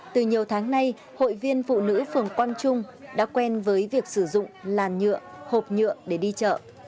từ nhiều tháng nay hội viên phụ nữ phường quang trung đã quen với việc sử dụng làn nhựa hộp nhựa để đi chợ